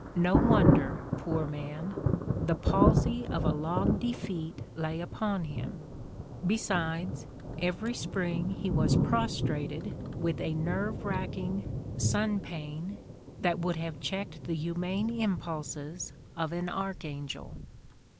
No wonder, poor man ; the palsy of a long defeat lay upon him; besides, every spring he was prostrated with a nerve racking "sun pain" that would have cheeked the humane impulses of an archangel.